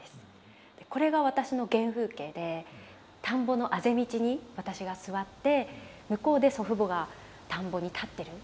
これが私の原風景で田んぼのあぜ道に私が座って向こうで祖父母が田んぼに立ってる。